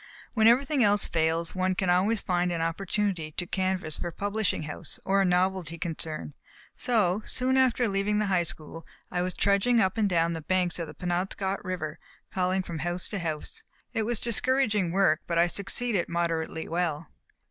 When everything else fails, one can always find an opportunity to canvass for a publishing house or a novelty concern; so, soon after leaving the high school, I was trudging up and down the banks of the Penobscot river, calling from house to house. It was discouraging work, but I succeeded moderately well.